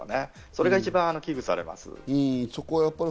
それが一番危惧されます。